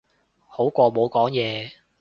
好過冇嘢講